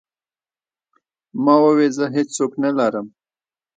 ما وويل زه هېڅ څوک نه لرم.